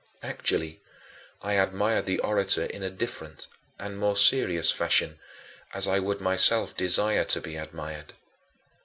Actually, I admired the orator in a different and more serious fashion, as I would myself desire to be admired.